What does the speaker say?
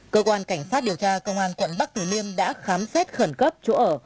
cơ quan cảnh sát điều tra công an quận bắc tử liêm đã khám xét khẩn cấp chỗ ở